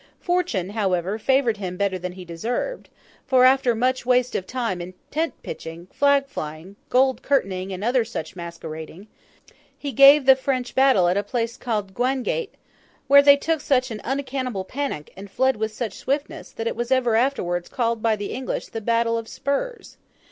Fortune, however, favoured him better than he deserved; for, after much waste of time in tent pitching, flag flying, gold curtaining, and other such masquerading, he gave the French battle at a place called Guinegate: where they took such an unaccountable panic, and fled with such swiftness, that it was ever afterwards called by the English the Battle of Spurs.